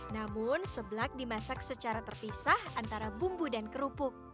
namun seblak dimasak secara terpisah antara bumbu dan kerupuk